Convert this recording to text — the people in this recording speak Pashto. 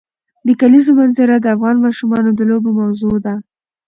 د کلیزو منظره د افغان ماشومانو د لوبو موضوع ده.